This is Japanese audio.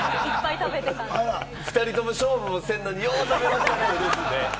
２人とも勝負もせんのによう食べてたね。